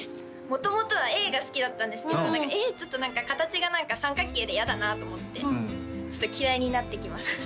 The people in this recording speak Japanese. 元々は「Ａ」が好きだったんですけど「Ａ」ちょっと何か形が三角形で嫌だなと思ってちょっと嫌いになってきました